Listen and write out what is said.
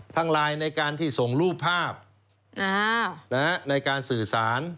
ไลน์ในการที่ส่งรูปภาพในการสื่อสาร